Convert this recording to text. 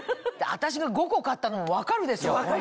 私が５個買ったのも分かるでしょ？